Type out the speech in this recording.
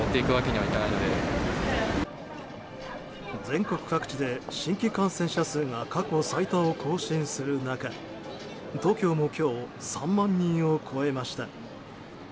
全国各地で、新規感染者数が過去最多を更新する中東京も今日３万人を超えました。